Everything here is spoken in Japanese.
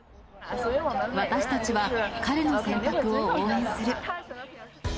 私たちは彼の選択を応援する。